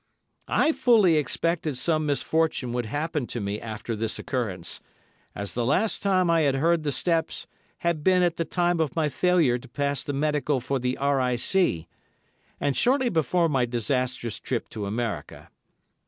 I fully expected some misfortune would happen to me after this occurrence, as the last time I had heard the steps had been at the time of my failure to pass the medical for the R.I.C., and shortly before my disastrous trip to America.